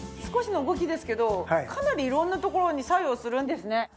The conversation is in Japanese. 少しの動きですけどかなり色んな所に作用するんですね。